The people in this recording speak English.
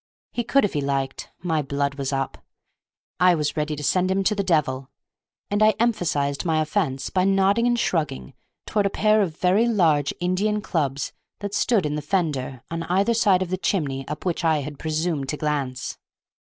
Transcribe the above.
He could if he liked. My blood was up. I was ready to send him to the devil. And I emphasized my offence by nodding and shrugging toward a pair of very large Indian clubs that stood in the fender, on either side of the chimney up which I had presumed to glance.